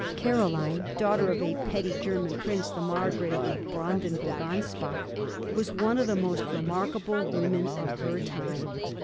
Caroline, daughter of a petty German Prince — the Margrave of Brandenburg Anspach — was one of the most remarkable women of her time.